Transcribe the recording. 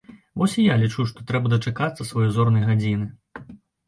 Вось і я лічу, што трэба дачакацца сваёй зорнай гадзіны.